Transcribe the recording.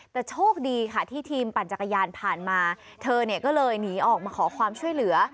แต่โชคดีค่ะที่ทีมปั่นจักรยานผ่านมาเธอเนี่ยก็เลยหนีออกมาขอความช่วยเหลือ